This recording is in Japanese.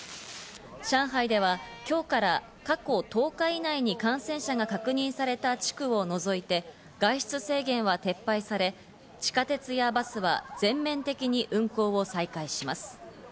上海では今日から過去１０日以内に感染者が確認された地区を除いて外出制限は撤廃され、地下鉄やバスは全面的に運行を再開します。